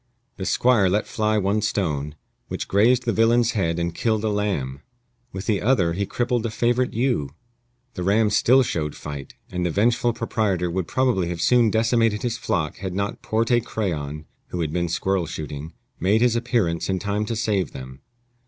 The squire let fly one stone, which grazed the villain's head and killed a lamb. With the other he crippled a favorite ewe. The ram still showed fight, and the vengeful proprietor would probably have soon decimated his flock had not Porte Crayon (who had been squirrel shooting) made his appearance in time to save them.